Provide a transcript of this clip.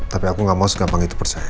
tapi aku gak mau segampang itu percaya